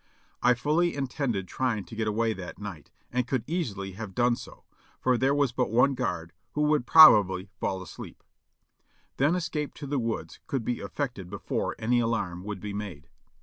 I fully intended trying to get away that night, and could easily have done so ; for there was but one guard, who would probably fall asleep. Then escape to the woods could be effected before any alarm would be made.